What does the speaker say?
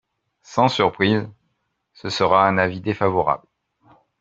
Sans surprise, ce sera un avis défavorable.